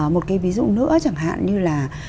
một cái ví dụ nữa chẳng hạn như là